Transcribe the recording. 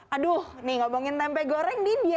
aduh nih ngomongin tempe goreng nih diana